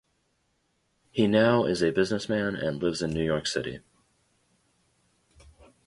He now is a businessman, and lives in New York City.